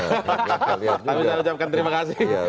kita ucapkan terima kasih